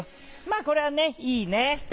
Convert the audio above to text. まぁこれはねいいね。